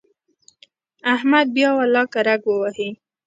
احمد بیا ولاکه رګ ووهي.